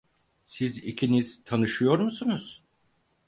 Siz ikiniz tanışıyor musunuz?